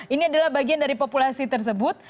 ini adalah bagian dari populasi tersebut